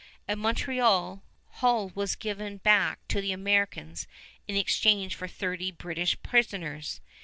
At Montreal, Hull was given back to the Americans in exchange for thirty British prisoners.